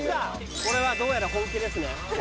これはどうやら本気ですね。